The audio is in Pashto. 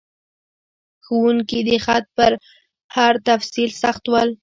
ښوونکي د خط په هر تفصیل سخت ول.